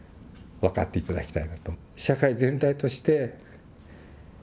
分かっていただきたい。